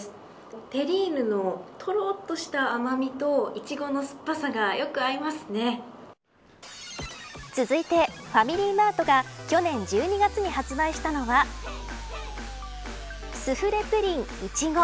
テリーヌのとろっとした甘みといちごの酸っぱさが続いて、ファミリーマートが去年１２月に発売したのはスフレ・プリンいちご。